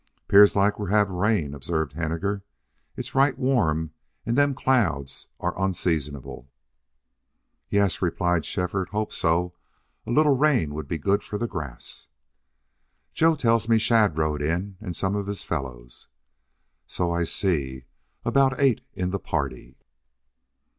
"'Pears like we'd hev rain," observed Henninger. "It's right warm an' them clouds are onseasonable." "Yes," replied Shefford. "Hope so. A little rain would be good for the grass." "Joe tells me Shadd rode in, an' some of his fellers." "So I see. About eight in the party."